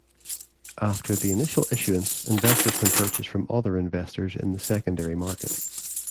After the initial issuance, investors can purchase from other investors in the secondary market.